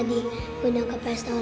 gitu nantinya nggak parkiser gue